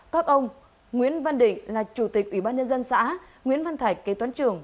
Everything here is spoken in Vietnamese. các ông nguyễn văn định là chủ tịch ủy ban nhân dân xã nguyễn văn thạch kế toán trưởng